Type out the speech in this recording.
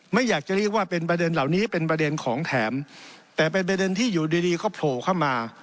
ไม่อยากจะเรียกว่าเป็นประเด็นเหล่านี้เป็นประเด็นของแถมแต่เป็นประเด็นที่อยู่ดีดีก็โผล่เข้ามา